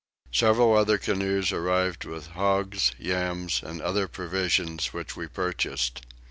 Several other canoes arrived with hogs, yams, and other provisions, which we purchased.